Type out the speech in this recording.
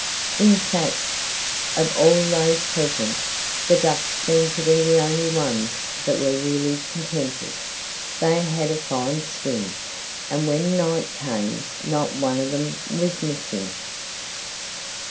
In fact, of all those present, the ducks seemed to be the only ones that were really contented. They had a fine swim. And when night came, not one of them was missing.